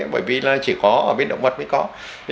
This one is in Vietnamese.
bởi vì là chỉ có ở bên động vật mới có